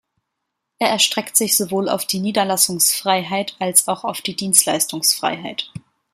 Er erstreckt sich sowohl auf die Niederlassungsfreiheit als auch die Dienstleistungsfreiheit.